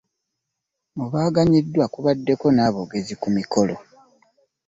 Mu baganyuddwa kubaddeko n'aboogezi ku mikolo.